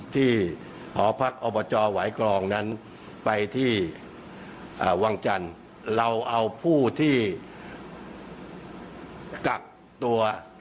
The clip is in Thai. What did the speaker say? หอพักอบจหวายกรองนั้นไปที่วังจันทร์เราเอาผู้ที่กักตัว